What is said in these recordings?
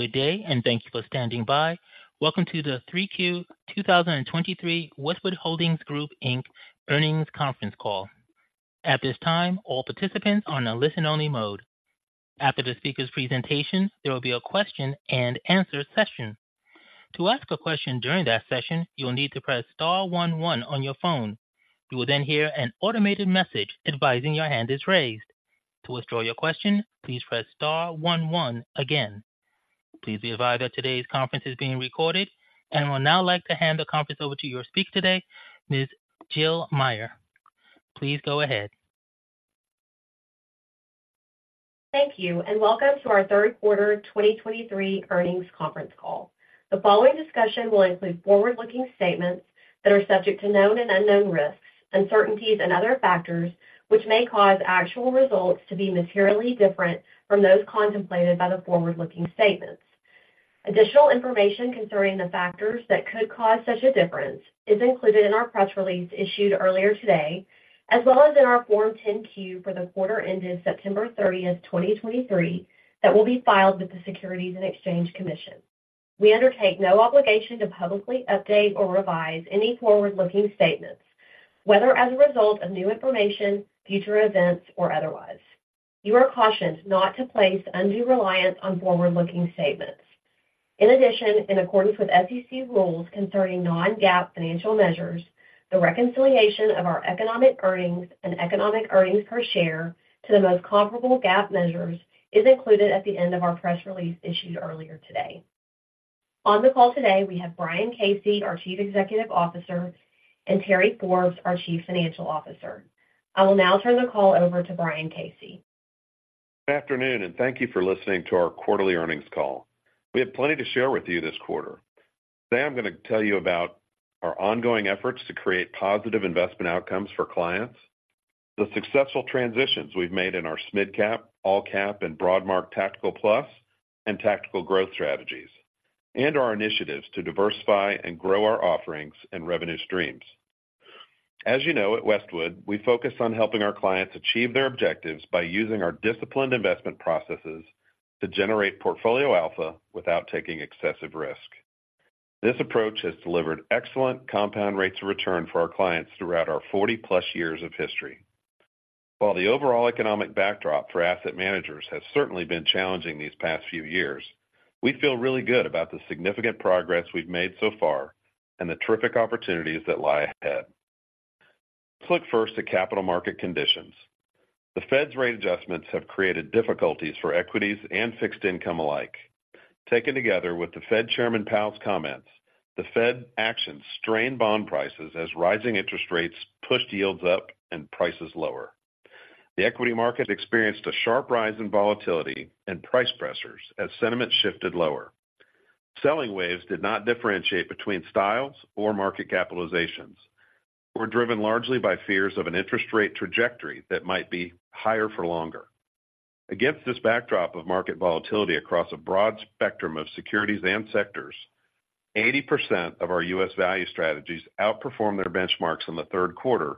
Good day, and thank you for standing by. Welcome to the 3Q 2023 Westwood Holdings Group, Inc. earnings conference call. At this time, all participants are on a listen-only mode. After the speaker's presentation, there will be a question and answer session. To ask a question during that session, you will need to press star one one on your phone. You will then hear an automated message advising your hand is raised. To withdraw your question, please press star one one again. Please be advised that today's conference is being recorded, and I would now like to hand the conference over to your speaker today, Ms. Jill Meyer. Please go ahead. Thank you, and welcome to our third quarter 2023 earnings conference call. The following discussion will include forward-looking statements that are subject to known and unknown risks, uncertainties and other factors, which may cause actual results to be materially different from those contemplated by the forward-looking statements. Additional information concerning the factors that could cause such a difference is included in our press release issued earlier today, as well as in our Form 10-Q for the quarter ended September 30, 2023, that will be filed with the Securities and Exchange Commission. We undertake no obligation to publicly update or revise any forward-looking statements, whether as a result of new information, future events, or otherwise. You are cautioned not to place undue reliance on forward-looking statements. In addition, in accordance with SEC rules concerning non-GAAP financial measures, the reconciliation of our economic earnings and economic earnings per share to the most comparable GAAP measures is included at the end of our press release issued earlier today. On the call today, we have Brian Casey, our Chief Executive Officer, and Terry Forbes, our Chief Financial Officer. I will now turn the call over to Brian Casey. Good afternoon, and thank you for listening to our quarterly earnings call. We have plenty to share with you this quarter. Today, I'm going to tell you about our ongoing efforts to create positive investment outcomes for clients, the successful transitions we've made in our SMidCap, AllCap, and Broadmark Tactical Plus and Tactical Growth strategies, and our initiatives to diversify and grow our offerings and revenue streams. As you know, at Westwood, we focus on helping our clients achieve their objectives by using our disciplined investment processes to generate portfolio alpha without taking excessive risk. This approach has delivered excellent compound rates of return for our clients throughout our 40+ years of history. While the overall economic backdrop for asset managers has certainly been challenging these past few years, we feel really good about the significant progress we've made so far and the terrific opportunities that lie ahead. Let's look first at capital market conditions. The Fed's rate adjustments have created difficulties for equities and fixed income alike. Taken together with the Fed Chairman Powell's comments, the Fed actions strained bond prices as rising interest rates pushed yields up and prices lower. The equity market experienced a sharp rise in volatility and price pressures as sentiment shifted lower. Selling waves did not differentiate between styles or market capitalizations. We're driven largely by fears of an interest rate trajectory that might be higher for longer. Against this backdrop of market volatility across a broad spectrum of securities and sectors, 80% of our U.S. Value strategies outperformed their benchmarks in the third quarter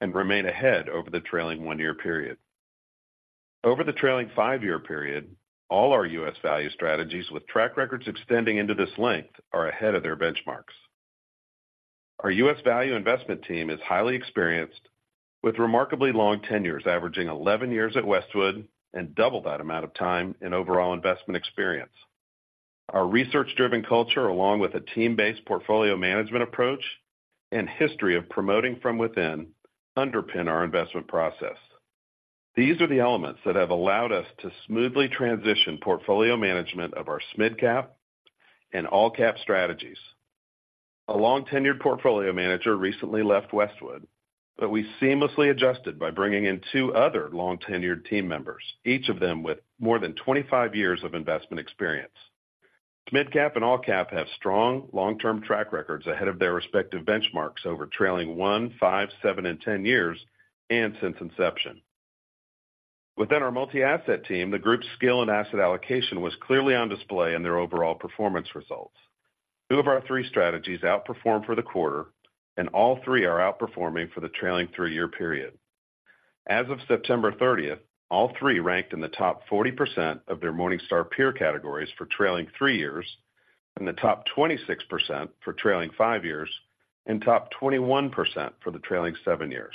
and remain ahead over the trailing one-year period. Over the trailing five-year period, all our U.S. Value strategies with track records extending into this length are ahead of their benchmarks. Our U.S. Value investment team is highly experienced, with remarkably long tenures, averaging 11 years at Westwood and double that amount of time in overall investment experience. Our research-driven culture, along with a team-based portfolio management approach and history of promoting from within, underpin our investment process. These are the elements that have allowed us to smoothly transition portfolio management of our SMidCap and AllCap strategies. A long-tenured portfolio manager recently left Westwood, but we seamlessly adjusted by bringing in two other long-tenured team members, each of them with more than 25 years of investment experience. SMidCap and AllCap have strong long-term track records ahead of their respective benchmarks over trailing 1, 5, 7, and 10 years, and since inception. Within our Multi-Asset team, the group's skill and asset allocation was clearly on display in their overall performance results. Two of our three strategies outperformed for the quarter, and all three are outperforming for the trailing 3-year period. As of September 30th, all three ranked in the top 40% of their Morningstar peer categories for trailing 3 years, in the top 26% for trailing 5 years, and top 21% for the trailing 7 years.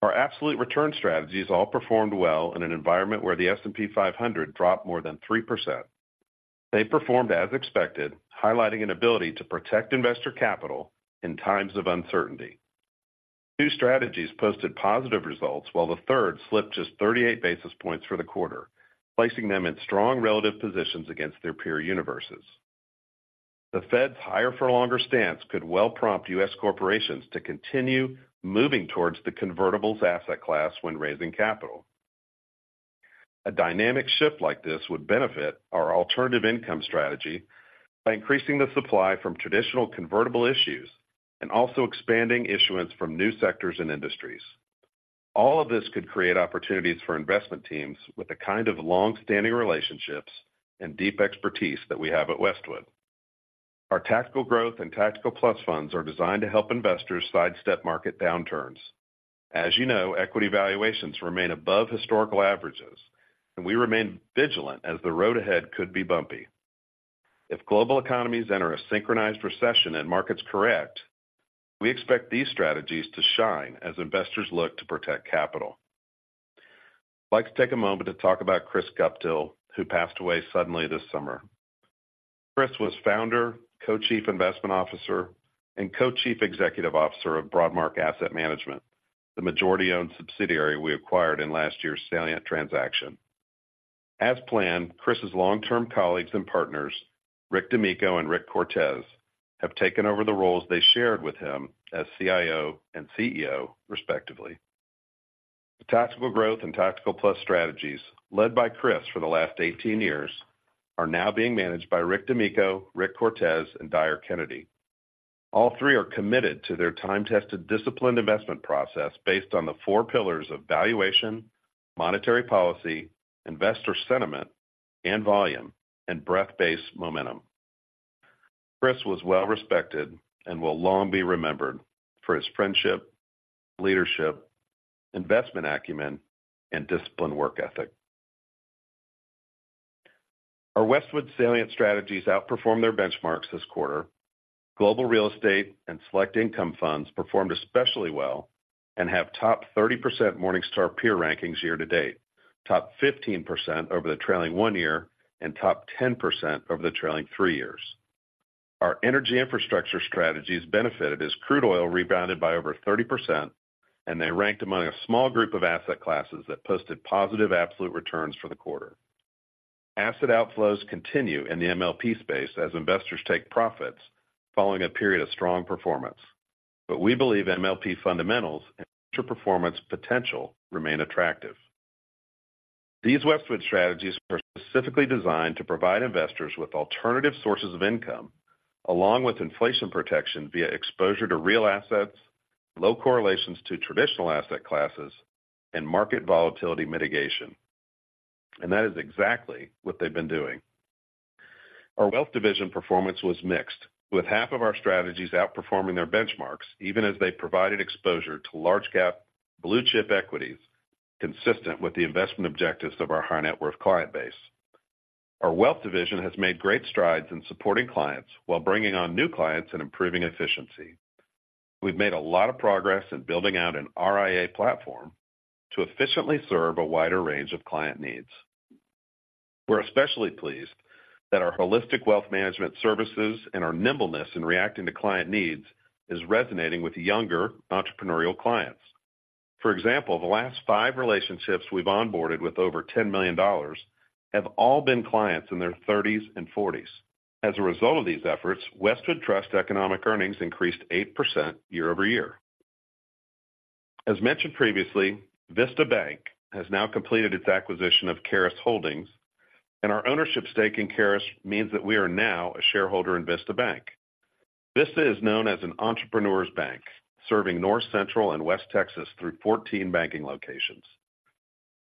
Our absolute return strategies all performed well in an environment where the S&P 500 dropped more than 3%. They performed as expected, highlighting an ability to protect investor capital in times of uncertainty. Two strategies posted positive results, while the third slipped just 38 basis points for the quarter, placing them in strong relative positions against their peer universes. The Fed's higher-for-longer stance could well prompt U.S. corporations to continue moving towards the convertibles asset class when raising capital. A dynamic shift like this would benefit our Alternative Income strategy by increasing the supply from traditional convertible issues and also expanding issuance from new sectors and industries. All of this could create opportunities for investment teams with the kind of long-standing relationships and deep expertise that we have at Westwood.... Our Tactical Growth and Tactical Plus funds are designed to help investors sidestep market downturns. As you know, equity valuations remain above historical averages, and we remain vigilant as the road ahead could be bumpy. If global economies enter a synchronized recession and markets correct, we expect these strategies to shine as investors look to protect capital. I'd like to take a moment to talk about Chris Guptill, who passed away suddenly this summer. Chris was founder, co-Chief Investment Officer, and co-Chief Executive Officer of Broadmark Asset Management, the majority-owned subsidiary we acquired in last year's Salient transaction. As planned, Chris' long-term colleagues and partners, Rick D'Amico and Ricardo Cortez, have taken over the roles they shared with him as CIO and CEO, respectively. The Tactical Growth and Tactical Plus strategies, led by Chris for the last 18 years, are now being managed by Rick D'Amico, Ricardo Cortez, and Dyer Kennedy. All three are committed to their time-tested, disciplined investment process based on the four pillars of valuation, monetary policy, investor sentiment and volume, and breadth-based momentum. Chris was well respected and will long be remembered for his friendship, leadership, investment acumen, and disciplined work ethic. Our Westwood Salient strategies outperformed their benchmarks this quarter. Global Real Estate and Select Income funds performed especially well and have top 30% Morningstar peer rankings year-to-date, top 15% over the trailing 1 year, and top 10% over the trailing 3 years. Our Energy Infrastructure strategies benefited as crude oil rebounded by over 30%, and they ranked among a small group of asset classes that posted positive absolute returns for the quarter. Asset outflows continue in the MLP space as investors take profits following a period of strong performance. But we believe MLP fundamentals and future performance potential remain attractive. These Westwood strategies are specifically designed to provide investors with alternative sources of income, along with inflation protection via exposure to real assets, low correlations to traditional asset classes, and market volatility mitigation. That is exactly what they've been doing. Our wealth division performance was mixed, with half of our strategies outperforming their benchmarks, even as they provided exposure to large-cap blue-chip equities, consistent with the investment objectives of our high-net-worth client base. Our wealth division has made great strides in supporting clients while bringing on new clients and improving efficiency. We've made a lot of progress in building out an RIA platform to efficiently serve a wider range of client needs. We're especially pleased that our holistic wealth management services and our nimbleness in reacting to client needs is resonating with younger entrepreneurial clients. For example, the last 5 relationships we've onboarded with over $10 million have all been clients in their 30s and 40s. As a result of these efforts, Westwood Trust economic earnings increased 8% year-over-year. As mentioned previously, Vista Bank has now completed its acquisition of Charis Holdings, and our ownership stake in Charis means that we are now a shareholder in Vista Bank. Vista is known as an entrepreneur's bank, serving North, Central, and West Texas through 14 banking locations.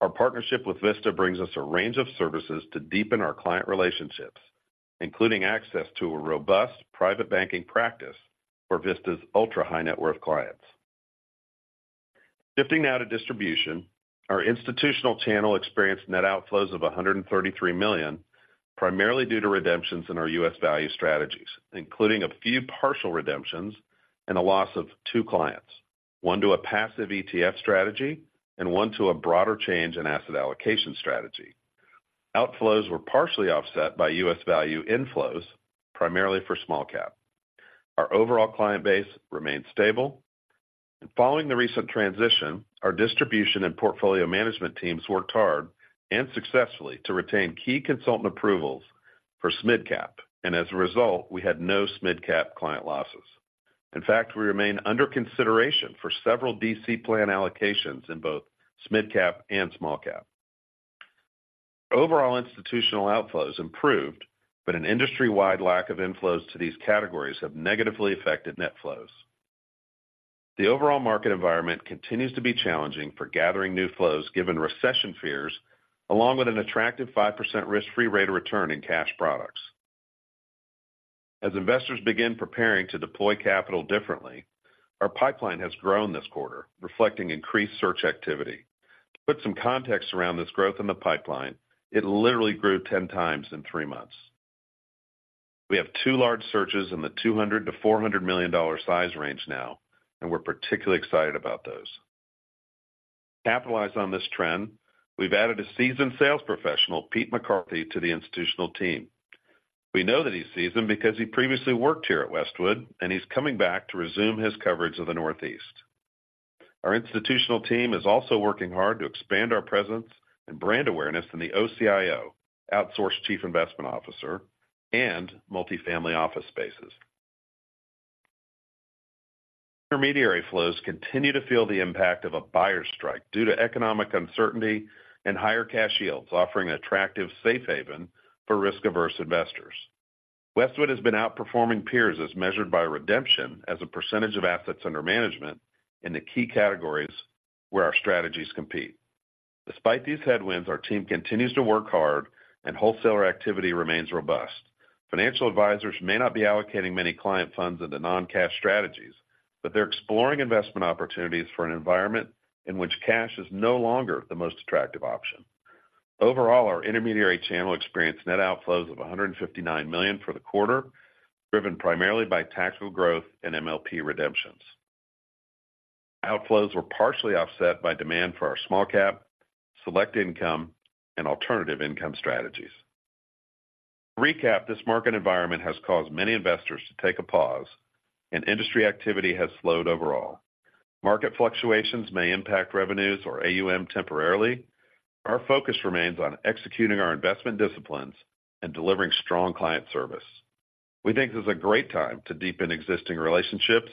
Our partnership with Vista brings us a range of services to deepen our client relationships, including access to a robust private banking practice for Vista's ultra-high-net-worth clients. Shifting now to distribution. Our institutional channel experienced net outflows of $133 million, primarily due to redemptions in our U.S. Value strategies, including a few partial redemptions and a loss of two clients, one to a passive ETF strategy and one to a broader change in asset allocation strategy. Outflows were partially offset by U.S. Value inflows, primarily for SmallCap. Our overall client base remained stable. Following the recent transition, our distribution and portfolio management teams worked hard and successfully to retain key consultant approvals for SMidCap, and as a result, we had no SMidCap client losses. In fact, we remain under consideration for several DC plan allocations in both SMidCap and SmallCap. Overall institutional outflows improved, but an industry-wide lack of inflows to these categories have negatively affected net flows. The overall market environment continues to be challenging for gathering new flows, given recession fears, along with an attractive 5% risk-free rate of return in cash products. As investors begin preparing to deploy capital differently, our pipeline has grown this quarter, reflecting increased search activity. To put some context around this growth in the pipeline, it literally grew ten times in three months. We have two large searches in the $200 million-$400 million size range now, and we're particularly excited about those. To capitalize on this trend, we've added a seasoned sales professional, Pete McCarthy, to the institutional team. We know that he's seasoned because he previously worked here at Westwood, and he's coming back to resume his coverage of the Northeast. Our institutional team is also working hard to expand our presence and brand awareness in the OCIO, outsourced chief investment officer, and multifamily office spaces. Intermediary flows continue to feel the impact of a buyer strike due to economic uncertainty and higher cash yields, offering an attractive safe haven for risk-averse investors. Westwood has been outperforming peers as measured by redemption, as a percentage of assets under management in the key categories where our strategies compete. Despite these headwinds, our team continues to work hard, and wholesaler activity remains robust. Financial advisors may not be allocating many client funds into non-cash strategies, but they're exploring investment opportunities for an environment in which cash is no longer the most attractive option. Overall, our intermediary channel experienced net outflows of $159 million for the quarter, driven primarily by tactical growth and MLP redemptions. Outflows were partially offset by demand for our SmallCap, Select Income, and Alternative Income strategies. To recap, this market environment has caused many investors to take a pause, and industry activity has slowed overall. Market fluctuations may impact revenues or AUM temporarily. Our focus remains on executing our investment disciplines and delivering strong client service. We think this is a great time to deepen existing relationships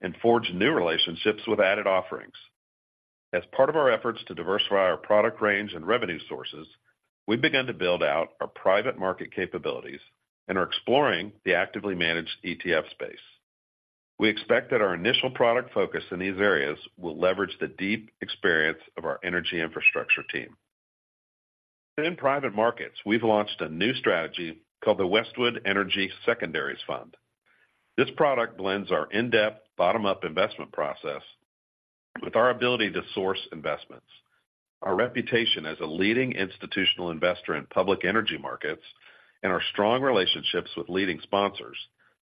and forge new relationships with added offerings. As part of our efforts to diversify our product range and revenue sources, we've begun to build out our private market capabilities and are exploring the actively managed ETF space. We expect that our initial product focus in these areas will leverage the deep experience of our Energy Infrastructure team. In private markets, we've launched a new strategy called the Westwood Energy Secondaries Fund. This product blends our in-depth bottom-up investment process with our ability to source investments. Our reputation as a leading institutional investor in public energy markets and our strong relationships with leading sponsors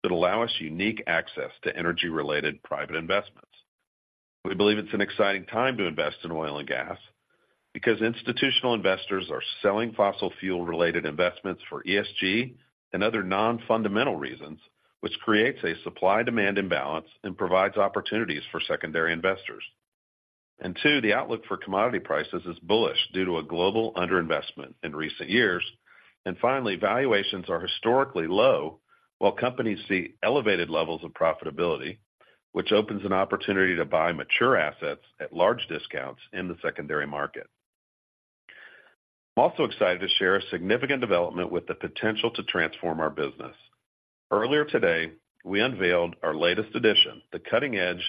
that allow us unique access to energy-related private investments. We believe it's an exciting time to invest in oil and gas because institutional investors are selling fossil fuel-related investments for ESG and other non-fundamental reasons, which creates a supply-demand imbalance and provides opportunities for secondary investors. And two, the outlook for commodity prices is bullish due to a global underinvestment in recent years. And finally, valuations are historically low, while companies see elevated levels of profitability, which opens an opportunity to buy mature assets at large discounts in the secondary market. I'm also excited to share a significant development with the potential to transform our business. Earlier today, we unveiled our latest edition, the cutting-edge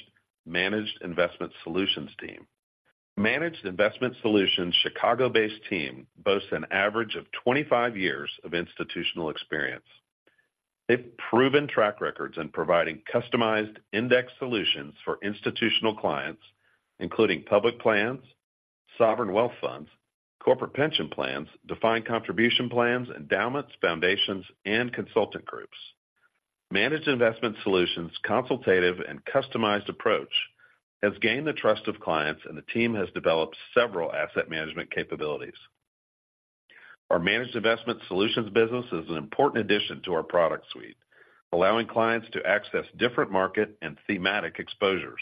Managed Investment Solutions team. Managed Investment Solutions' Chicago-based team boasts an average of 25 years of institutional experience. They've proven track records in providing customized index solutions for institutional clients, including public plans, sovereign wealth funds, corporate pension plans, defined contribution plans, endowments, foundations, and consultant groups. Managed Investment Solutions' consultative and customized approach has gained the trust of clients, and the team has developed several asset management capabilities. Our Managed Investment Solutions business is an important addition to our product suite, allowing clients to access different market and thematic exposures.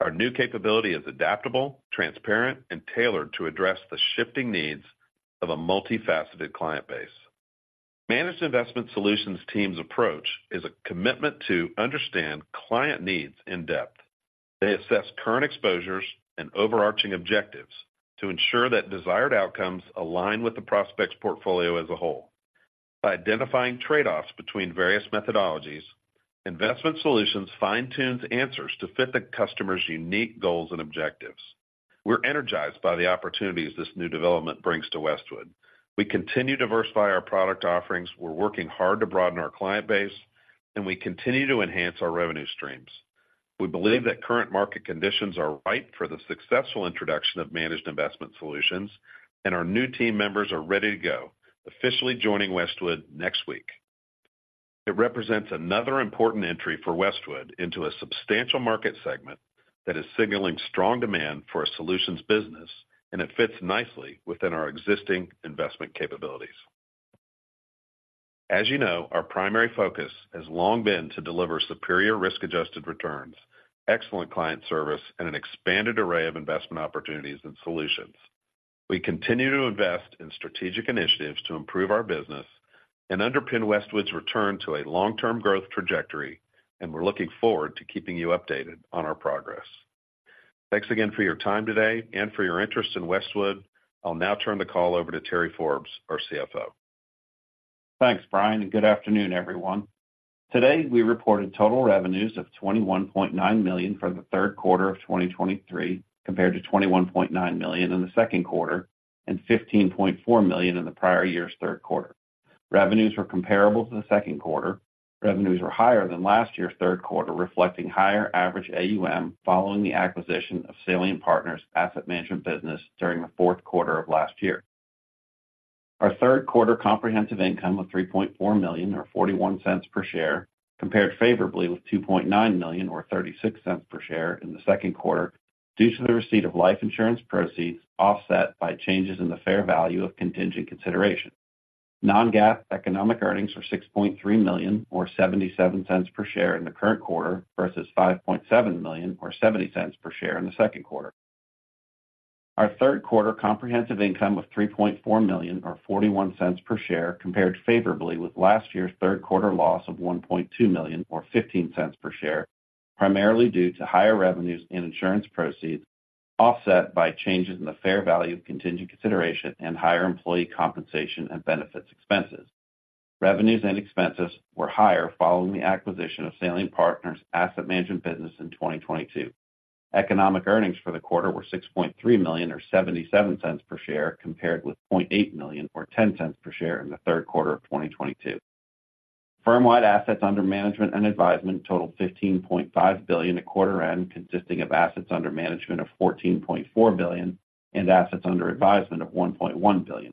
Our new capability is adaptable, transparent, and tailored to address the shifting needs of a multifaceted client base. Managed Investment Solutions team's approach is a commitment to understand client needs in depth. They assess current exposures and overarching objectives to ensure that desired outcomes align with the prospect's portfolio as a whole. By identifying trade-offs between various methodologies, Investment Solutions fine-tunes answers to fit the customer's unique goals and objectives. We're energized by the opportunities this new development brings to Westwood. We continue to diversify our product offerings, we're working hard to broaden our client base, and we continue to enhance our revenue streams. We believe that current market conditions are ripe for the successful introduction of Managed Investment Solutions, and our new team members are ready to go, officially joining Westwood next week. It represents another important entry for Westwood into a substantial market segment that is signaling strong demand for a solutions business, and it fits nicely within our existing investment capabilities. As you know, our primary focus has long been to deliver superior risk-adjusted returns, excellent client service, and an expanded array of investment opportunities and solutions. We continue to invest in strategic initiatives to improve our business and underpin Westwood's return to a long-term growth trajectory, and we're looking forward to keeping you updated on our progress. Thanks again for your time today and for your interest in Westwood. I'll now turn the call over to Terry Forbes, our CFO. Thanks, Brian, and good afternoon, everyone. Today, we reported total revenues of $21.9 million for the third quarter of 2023, compared to $21.9 million in the second quarter and $15.4 million in the prior year's third quarter. Revenues were comparable to the second quarter. Revenues were higher than last year's third quarter, reflecting higher average AUM, following the acquisition of Salient Partners asset management business during the fourth quarter of last year. Our third quarter comprehensive income of $3.4 million or $0.41 per share, compared favorably with $2.9 million or $0.36 per share in the second quarter due to the receipt of life insurance proceeds, offset by changes in the fair value of contingent consideration. Non-GAAP economic earnings were $6.3 million or $0.77 per share in the current quarter versus $5.7 million or $0.70 per share in the second quarter. Our third quarter comprehensive income of $3.4 million or $0.41 per share, compared favorably with last year's third quarter loss of $1.2 million or $0.15 per share, primarily due to higher revenues and insurance proceeds, offset by changes in the fair value of contingent consideration and higher employee compensation and benefits expenses revenues and expenses were higher following the acquisition of Salient Partners asset management business in 2022. Economic earnings for the quarter were $6.3 million, or $0.77 per share, compared with $0.8 million or $0.10 per share in the third quarter of 2022. Firm-wide assets under management and advisement totaled $15.5 billion at quarter end, consisting of assets under management of $14.4 billion and assets under advisement of $1.1 billion.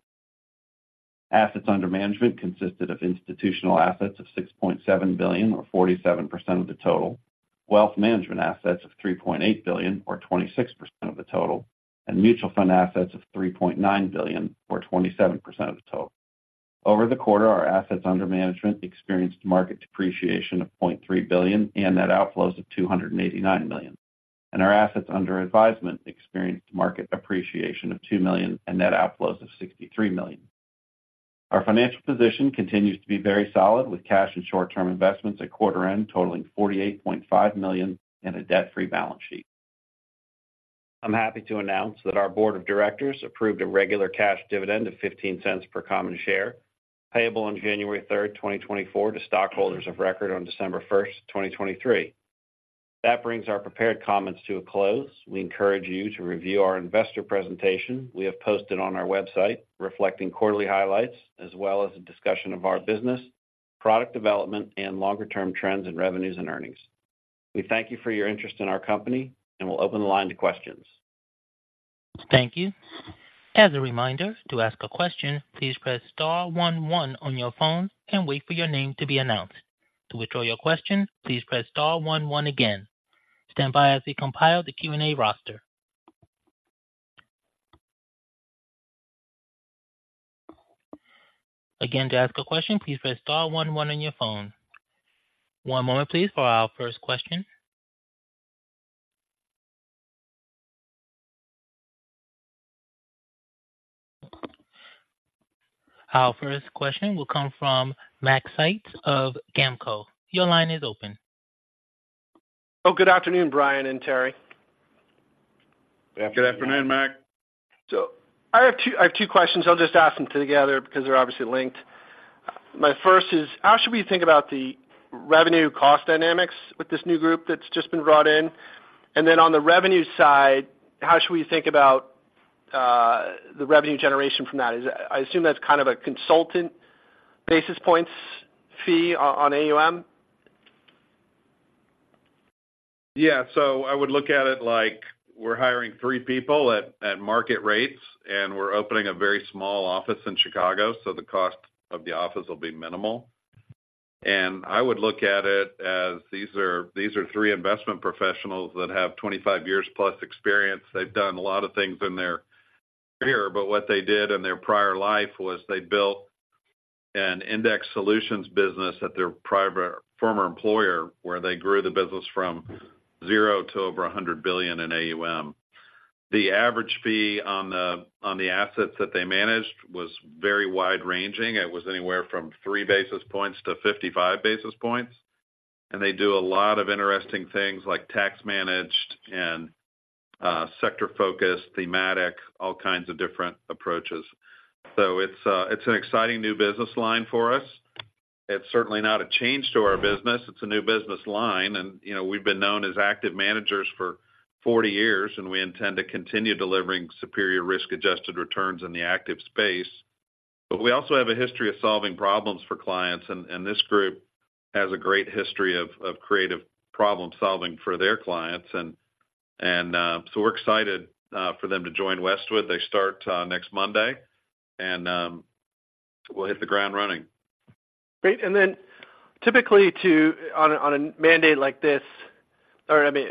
Assets under management consisted of institutional assets of $6.7 billion, or 47% of the total, wealth management assets of $3.8 billion, or 26% of the total, and mutual fund assets of $3.9 billion, or 27% of the total. Over the quarter, our assets under management experienced market depreciation of $0.3 billion and net outflows of $289 million, and our assets under advisement experienced market appreciation of $2 million and net outflows of $63 million. Our financial position continues to be very solid, with cash and short-term investments at quarter end totaling $48.5 million and a debt-free balance sheet. I'm happy to announce that our board of directors approved a regular cash dividend of $0.15 per common share, payable on January 3, 2024, to stockholders of record on December 1, 2023. That brings our prepared comments to a close. We encourage you to review our investor presentation we have posted on our website, reflecting quarterly highlights, as well as a discussion of our business, product development, and longer-term trends in revenues and earnings. We thank you for your interest in our company, and we'll open the line to questions. Thank you. As a reminder, to ask a question, please press star one one on your phone and wait for your name to be announced. To withdraw your question, please press star one one again. Stand by as we compile the Q&A roster. Again, to ask a question, please press star one one on your phone. One moment please, for our first question. Our first question will come from Macrae Sykes of GAMCO. Your line is open. Oh, good afternoon, Brian and Terry. Good afternoon, Mac. Good afternoon. So I have two, I have two questions. I'll just ask them together because they're obviously linked. My first is: How should we think about the revenue cost dynamics with this new group that's just been brought in? And then on the revenue side, how should we think about, the revenue generation from that? I assume that's kind of a consultant basis points fee on AUM. Yeah. So I would look at it like we're hiring three people at market rates, and we're opening a very small office in Chicago, so the cost of the office will be minimal. And I would look at it as these are three investment professionals that have 25 years plus experience. They've done a lot of things in their career, but what they did in their prior life was they built an index solutions business at their private, former employer, where they grew the business from zero to over $100 billion in AUM. The average fee on the assets that they managed was very wide-ranging. It was anywhere from 3-55 basis points. And they do a lot of interesting things like tax-managed and sector focused, thematic, all kinds of different approaches. So it's an exciting new business line for us. It's certainly not a change to our business. It's a new business line. And you know, we've been known as active managers for 40 years, and we intend to continue delivering superior risk-adjusted returns in the active space. But we also have a history of solving problems for clients, and so we're excited for them to join Westwood. They start next Monday, and we'll hit the ground running. Great. And then typically, on a mandate like this, or, I mean,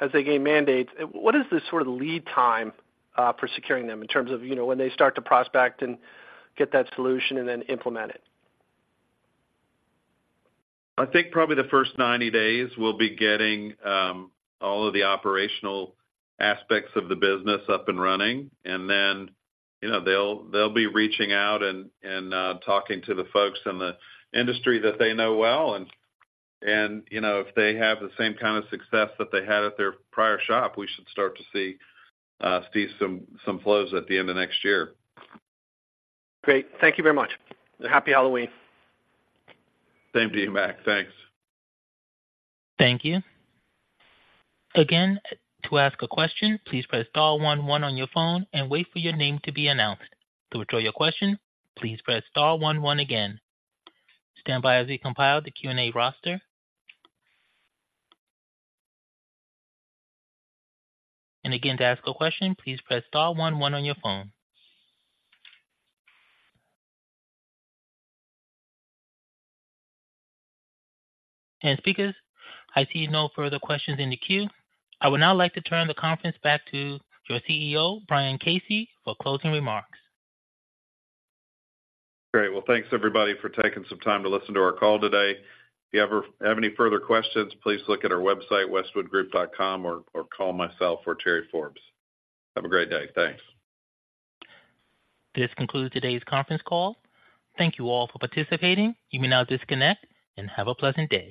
as they gain mandates, what is the sort of lead time for securing them in terms of, you know, when they start to prospect and get that solution and then implement it? I think probably the first 90 days will be getting all of the operational aspects of the business up and running. And then, you know, they'll be reaching out and talking to the folks in the industry that they know well. And you know, if they have the same kind of success that they had at their prior shop, we should start to see some flows at the end of next year. Great. Thank you very much. Happy Halloween. Same to you, Mac. Thanks. Thank you. Again, to ask a question, please press star one one on your phone and wait for your name to be announced. To withdraw your question, please press star one one again. Stand by as we compile the Q&A roster. Again, to ask a question, please press star one one on your phone. Speakers, I see no further questions in the queue. I would now like to turn the conference back to your CEO, Brian Casey, for closing remarks. Great. Well, thanks, everybody, for taking some time to listen to our call today. If you ever have any further questions, please look at our website, westwoodgroup.com, or, or call myself or Terry Forbes. Have a great day. Thanks. This concludes today's conference call. Thank you all for participating. You may now disconnect and have a pleasant day.